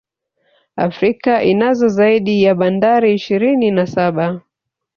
Afrika inazo zaidi ya Bandari ishirini na saba